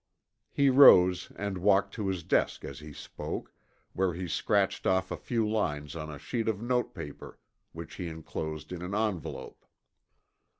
He rose and walked to his desk as he spoke, where he scratched off a few lines on a sheet of notepaper, which he enclosed in an envelope.